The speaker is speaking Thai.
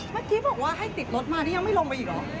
เมื่อกี้บอกว่าให้ติดรถมานี่ยังไม่ลงไปอีกเหรอ